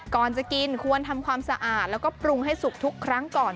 ก่อนจะกินควรทำความสะอาดแล้วก็ปรุงให้สุกทุกครั้งก่อน